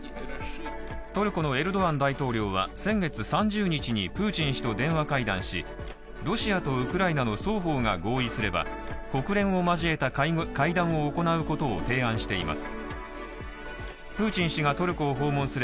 トルコのエルドアン大統領は先月３０日にプーチン氏と電話会談し、ロシアとウクライナの双方が合意すれば、国連を交えた会談を行うことを提案しています。